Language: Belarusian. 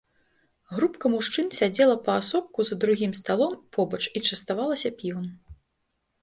Групка мужчын сядзела паасобку за другім сталом побач і частавалася півам.